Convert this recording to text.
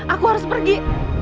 aku harus pergi